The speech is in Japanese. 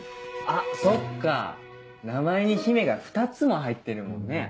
あっそっか名前に「姫」が２つも入ってるもんね。